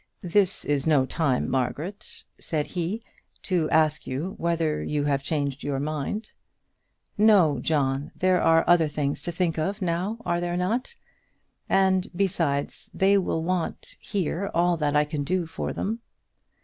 "This is no time, Margaret," said he, "to ask you whether you have changed your mind?" "No, John; there are other things to think of now; are there not? And, besides, they will want here all that I can do for them."